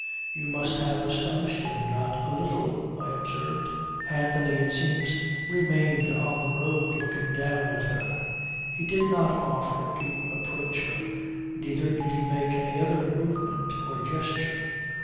"You must have astonished him not a little," I observed. Anthony, it seems, remained on the road looking down at her. He did not offer to approach her, neither did he make any other movement or gesture.